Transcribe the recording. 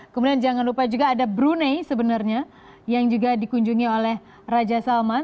kemudian jangan lupa juga ada brunei sebenarnya yang juga dikunjungi oleh raja salman